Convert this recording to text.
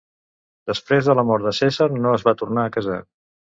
Després de la mort de Cèsar, no es va tornar a casar.